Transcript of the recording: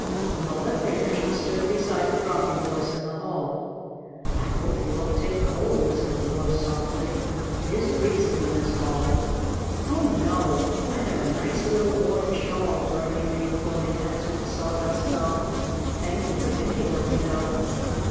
A moment later she stood beside the Rocking Horse in the hall. "I hope you won't take cold," said the Horse softly. "It is breezy in this hall." "Oh, no, I have a nice little warm shawl Dorothy made for me," answered the Sawdust Doll. "Thank you for thinking of me, though."